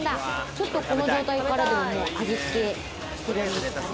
ちょっと、この状態からでも味付けしてるんですかね？